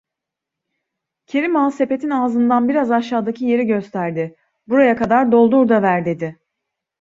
Kerim Ağa sepetin ağzından biraz aşağıdaki yeri gösterdi: "Buraya kadar doldur da ver" dedi.